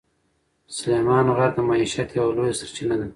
سلیمان غر د معیشت یوه لویه سرچینه ده.